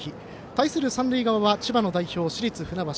対するのは千葉の代表、市立船橋。